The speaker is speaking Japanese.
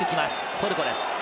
トルコです。